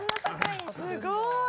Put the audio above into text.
すごーい。